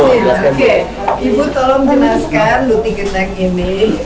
oke ibu tolong jelaskan luti gendang ini